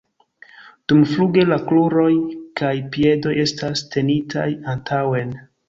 Dumfluge la kruroj kaj piedoj estas tenitaj antaŭen.